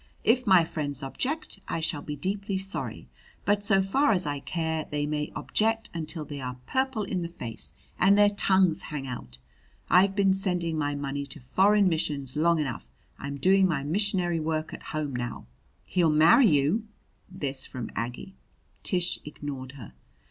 If my friends object, I shall be deeply sorry; but, so far as I care, they may object until they are purple in the face and their tongues hang out. I've been sending my money to foreign missions long enough; I'm doing my missionary work at home now." "He'll marry you!" This from Aggie. Tish ignored her.